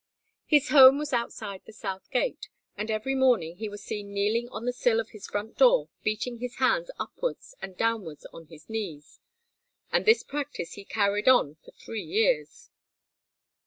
His home was outside the South Gate, and every morning he was seen kneeling on the sill of his front door beating his hands upwards and downwards on his knees, and this practice he carried on for three years.